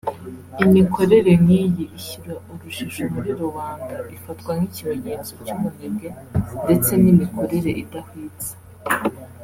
Imikorere nk’iyi ishyira urujijo muri rubanda ifatwa nk’ikimenyetso cy’ubunebwe ndetse n’imikorere idahwitse